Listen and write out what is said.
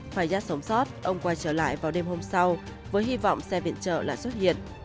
fayah sống sót ông quay trở lại vào đêm hôm sau với hy vọng xe viện chợ lại xuất hiện